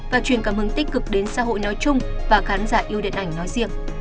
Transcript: và truyền cảm hứng tích cực đến xã hội nói chung và khán giả yêu điện ảnh nói riêng